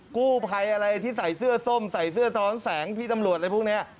กู้ภัยอะไรที่ใส่เสื้อส้มใส่เสื้อท้อนแสงพี่ตำรวจอะไรพวกนี้